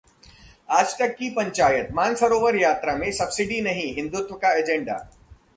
आजतक की पंचायत: 'मान सरोवर यात्रा में सब्सिडी नहीं हिंदुत्व का एजेंडा'